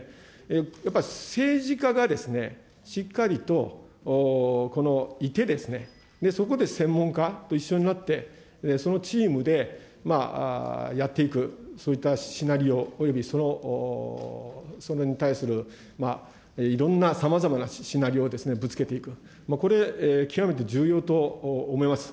やっぱり政治家がしっかりといてですね、そこで専門家と一緒になって、そのチームでやっていく、そういったシナリオおよびそれに対するいろんなさまざまなシナリオをぶつけていく、これ、極めて重要と思います。